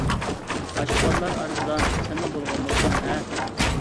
ئاشۇ بالىلار ئارىسىدا سەنمۇ بولغان بولساڭ-ھە!